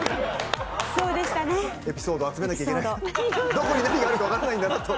どこに何があるかわからないんだなと。